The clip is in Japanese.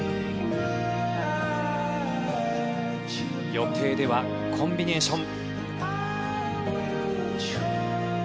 予定ではコンビネーション。